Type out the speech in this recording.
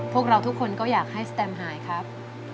พวกเราทุกคนก็อยากให้สแตมหายครับ